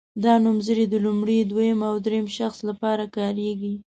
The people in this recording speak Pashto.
دا نومځري د لومړي دویم او دریم شخص لپاره کاریږي.